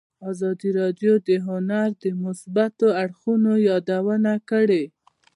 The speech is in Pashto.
ازادي راډیو د هنر د مثبتو اړخونو یادونه کړې.